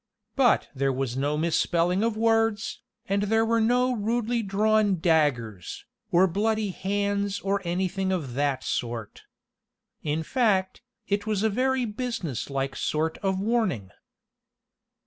But there was no misspelling of words, and there were no rudely drawn daggers, or bloody hands or anything of that sort. In fact, it was a very business like sort of warning.